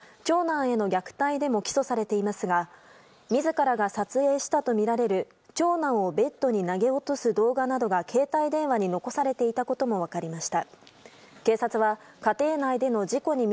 また長男への虐待でも起訴されていますが自らが撮影したとみられる長男をベッドに投げ落とす動画などが携帯電話に残されていたことも分かりました。